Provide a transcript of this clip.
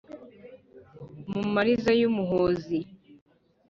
Mu mariza y’Umuhozi